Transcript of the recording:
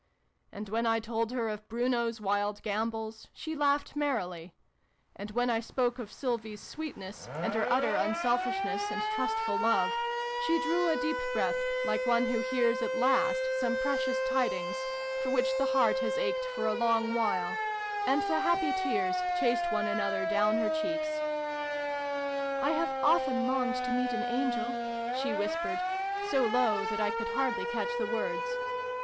And when I told her of Bruno's wild gambols, she laughed merrily ; and when I spoke of Sylvie's sweetness and her utter unselfishness and trustful love, she drew a deep breath, like one who hears at last some precious tidings for which the heart has ached for a long while ; and the happy tears chased one another down her cheeks. " I have often longed to meet an angel," she whispered, so low that I could hardly catch the words.